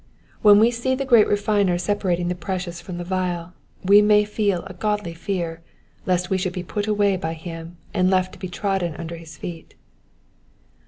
When we see the great Befiper separating the precious from the vile, we may well feel a godly fear, lest we should be put away by him, and left to be trodden under his feet.